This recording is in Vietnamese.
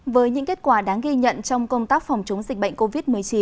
với những kết quả đáng ghi nhận trong công tác phòng chống dịch bệnh covid một mươi chín